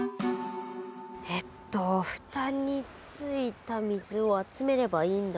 えっと蓋についた水を集めればいいんだから。